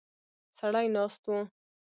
سړی ناست و.